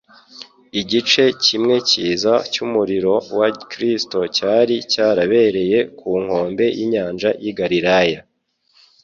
Igice kimwe cyiza cy'umurimo wa Kristo cyari cyarabereye ku nkombe y'inyanja y'i Galilaya.